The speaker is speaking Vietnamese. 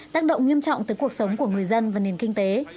tác động nghiêm trọng tới cuộc sống của người dân và nền kinh tế